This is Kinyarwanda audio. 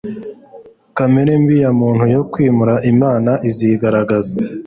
Kamere mbi ya kimuntu yo kwimura Imana izigaragaza.